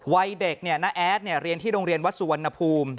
วัยเด็กน้าแอดเรียนที่โรงเรียนวัดสุวรรณภูมิ